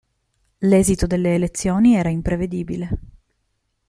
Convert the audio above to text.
L'esito delle elezioni era imprevedibile.